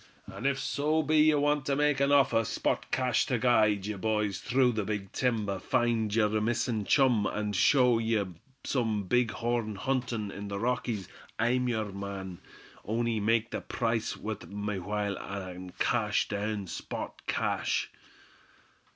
"An' if so be ye wanter make me a offer, spot cash, ter guide ye boys through the big timber, find yer missin' chum, and show ye some big horn huntin' in the Rockies, I'm yer man; on'y make the price wuth my while, an' cash down, spot cash."